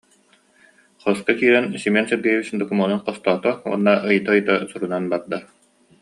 Хоско киирэн Семен Сергеевич докумуонун хостоото уонна ыйыта-ыйыта сурунан барда: